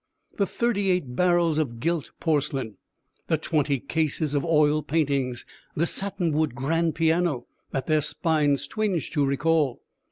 The thirty eight barrels of gilt porcelain, the twenty cases of oil paintings, the satin wood grand piano that their spines twinge to recall.